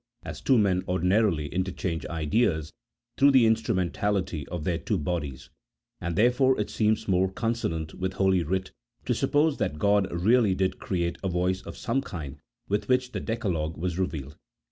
as two men ordinarily interchange ideas through the instrumentality of their two bodies ; and therefore it seems more consonant with Holy "Writ to suppose that God really did create a voice of some kind with which the Decalogue was revealed.